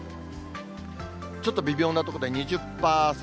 ちょっと微妙なところで２０％、